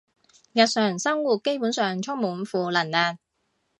日常生活基本上充滿負能量